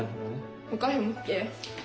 お菓子も好きです。